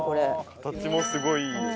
形もすごいいい。